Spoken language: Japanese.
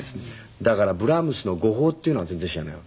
だからブラームスの語法っていうのは全然知らないわけ。